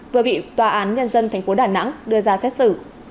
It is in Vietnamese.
vừa bị tòa án nhân dân tp đà nẵng đưa ra xét xử